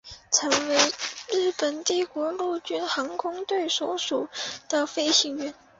成为日本帝国陆军航空队所属的飞行员。